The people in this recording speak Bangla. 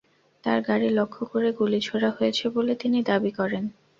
তাঁর গাড়ি লক্ষ্য করে গুলি ছোড়া হয়েছে বলে তিনি দাবি করেন।